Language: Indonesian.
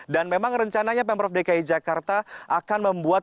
dan memang rencananya pemprov dki jakarta akan membuat